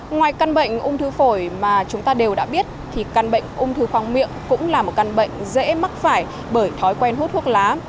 ngoài căn bệnh ung thư phổi mà chúng ta đều đã biết thì căn bệnh ung thư khoang miệng cũng là một căn bệnh dễ mắc phải bởi thói quen hút thuốc lá